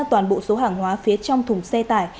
toàn bộ số hàng hóa phía trong thùng xe tải